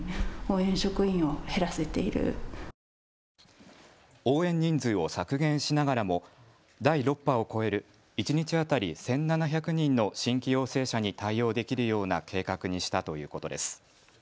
応援人数を削減しながらも第６波を超える一日当たり１７００人の新規陽性者に対応できるような計画にしたということです。